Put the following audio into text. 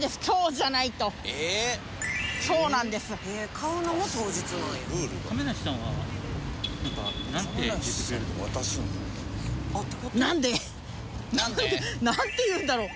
買うのも当日なんや。なんて言うんだろう？